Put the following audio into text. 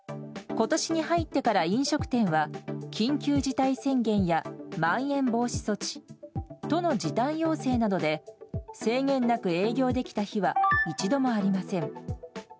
ことしに入ってから飲食店は、緊急事態宣言やまん延防止措置、都の時短要請などで、制限なく営業できた日は一度もありません。